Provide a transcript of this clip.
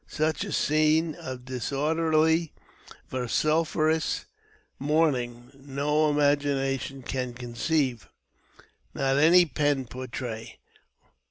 Such a scene of disorderly, irociferous mourning no imagination can conceive, nor any pen portray.